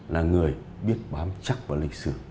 là người biết bám chắc vào lịch sử